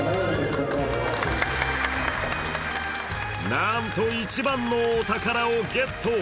なんと一番のお宝をゲット。